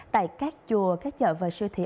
tại các chùa các chợ và siêu thị